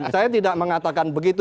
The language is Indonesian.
saya tidak mengatakan begitu